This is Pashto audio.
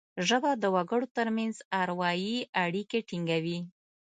ژبه د وګړو ترمنځ اروايي اړیکي ټینګوي